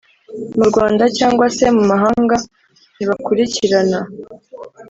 mu Rwanda cyangwa se mu mahanga ntibakurikirana